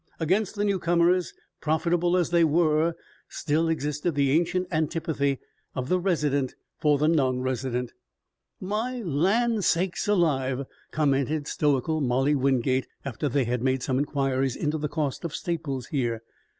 Against the newcomers, profitable as they were, still existed the ancient antipathy of the resident for the nonresident. "My land sakes alive!" commented stoical Molly Wingate after they had made some inquiries into the costs of staples here.